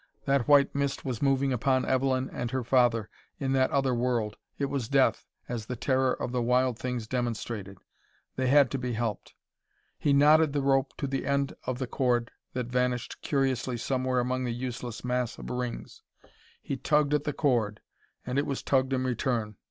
That white mist was moving upon Evelyn and her father, in that other world. It was death, as the terror of the wild things demonstrated. They had to be helped.... He knotted the rope to the end of the cord that vanished curiously somewhere among the useless mass of rings. He tugged at the cord and it was tugged in return.